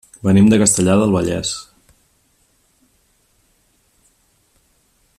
Venim de Castellar del Vallès.